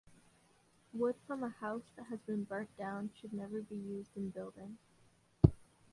Wood from a house that has burnt down should never be used in building.